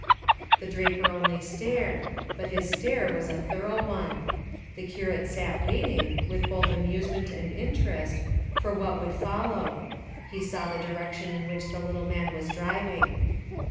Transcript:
The draper only stared, but his stare was a thorough one. The curate sat waiting, with both amusement and interest, for what would follow: he saw the direction in which the little man was driving.